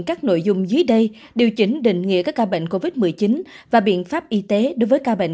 các nội dung dưới đây điều chỉnh định nghĩa các ca bệnh covid một mươi chín và biện pháp y tế đối với ca bệnh